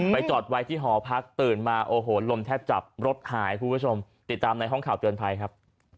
จอดไว้ที่หอพักตื่นมาโอ้โหลมแทบจับรถหายคุณผู้ชมติดตามในห้องข่าวเตือนภัยครับ